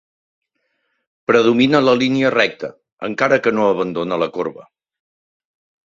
Predomina la línia recta, encara que no abandona la corba.